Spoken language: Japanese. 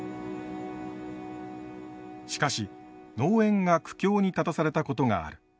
しかし農園が苦境に立たされたことがある。